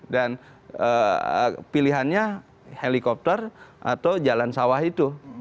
dan pilihannya helikopter atau jalan sawah itu